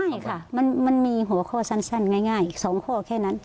ใช่ค่ะมันมีหัวข้อสั้นง่ายอีก๒ข้อแค่นั้น